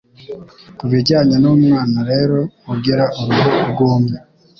ku bijyanye n'umwana rero ugira uruhu rwumye,